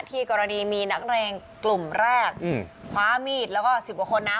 กรณีมีนักเรงกลุ่มแรกคว้ามีดแล้วก็สิบกว่าคนนะ